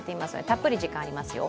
たっぷり時間ありますよ。